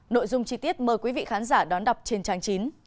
nội dung chi tiết mời quý vị khán giả đón đọc trên trang chín